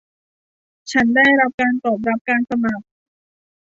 ฉันได้รับการตอบรับการสมัคร